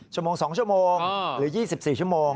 ชั่วโมง๒ชั่วโมงหรือ๒๔ชั่วโมง